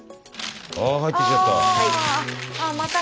あ入ってきちゃった。